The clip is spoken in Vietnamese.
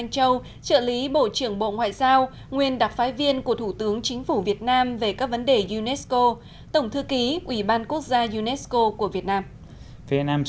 châu trợ lý bộ trưởng bộ ngoại giao nguyên đặc phái viên của thủ tướng chính phủ việt nam về các vấn đề unesco tổng thư ký ủy ban quốc gia unesco của việt nam